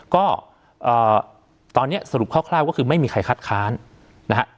ก็ตอนนี้สรุปคร่าวก็คือไม่มีใครคัดค้านนะฮะ